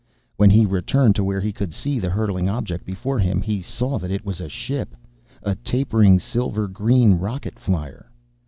When he returned to where he could see the hurtling object before him, he saw that it was a ship. A tapering silver green rocket flier.